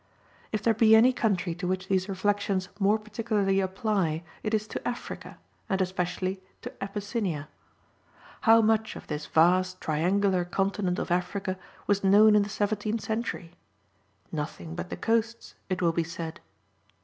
If there be any country to which these reflections more particularly apply, it is to Africa, and especially to Abyssinia. How much of this vast triangular continent of Africa was known in the seventeenth century? Nothing but the coasts, it will be said.